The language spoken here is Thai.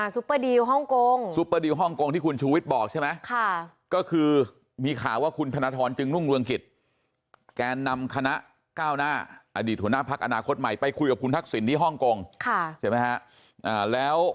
ซุปเปอร์ดีลฮ่องกงซุปเปอร์ดิวฮ่องกงที่คุณชูวิทย์บอกใช่ไหมก็คือมีข่าวว่าคุณธนทรจึงรุ่งเรืองกิจแกนนำคณะก้าวหน้าอดีตหัวหน้าพักอนาคตใหม่ไปคุยกับคุณทักษิณที่ฮ่องกงใช่ไหมฮะแล้ว